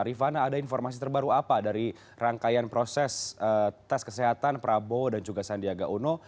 rifana ada informasi terbaru apa dari rangkaian proses tes kesehatan prabowo dan juga sandiaga uno